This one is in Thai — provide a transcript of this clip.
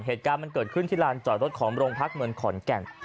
เหตุการณ์มันเกิดขึ้นที่ลานจอดรถของโรงพักเมืองขอนแก่น